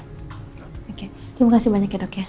oke terima kasih banyak ya dok ya